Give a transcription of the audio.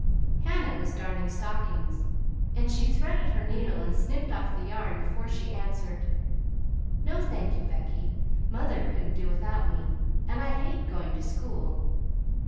Hannah was darning stockings, and she threaded her needle and snipped off the yarn before she answered, "No, thank you, Becky. Mother couldn't do without me, and I hate going to school.